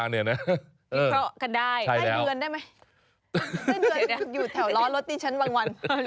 เงินอยู่แถวร้อนรถที่ฉันบางวัน